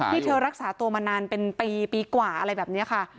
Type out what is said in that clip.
ที่เธอรักษาตัวมานานเป็นปีปีกว่าอะไรแบบนี้ค่ะ